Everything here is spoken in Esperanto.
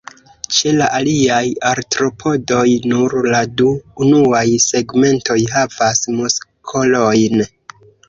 Ĉe la aliaj Artropodoj, nur la du unuaj segmentoj havas muskolojn.